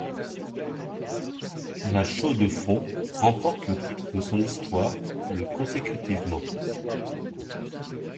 La Chaux-de-Fonds remporte le titre de son histoire, le consécutivement.